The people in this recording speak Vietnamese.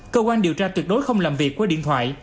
cơ quan điều tra tuyệt đối không làm việc qua điện thoại